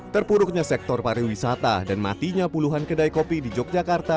terpuruknya sektor pariwisata dan matinya puluhan kedai kopi di yogyakarta